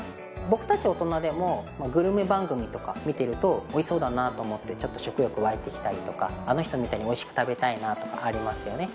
僕たち大人でもおいしそうだなと思ってちょっと食欲わいてきたりとかあの人みたいにおいしく食べたいなとかありますよね